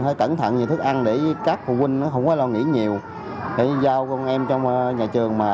phải cẩn thận về thức ăn để các phụ huynh không có lo nghĩ nhiều để giao con em trong nhà trường mà